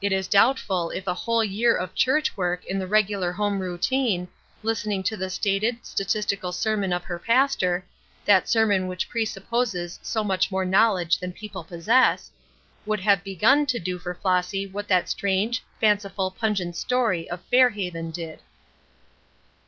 It is doubtful if a whole year of church work in the regular home routine, listening to the stated, statistical sermon of her pastor, that sermon which presupposes so much more knowledge than people possess, would have begun to do for Flossy what the strange, fanciful, pungent story of "Fair Haven" did.